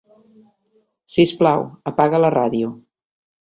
Sisplau, apaga la ràdio.